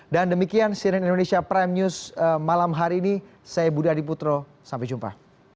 dan demikian siren indonesia prime news malam hari ini saya budi adiputro sampai jumpa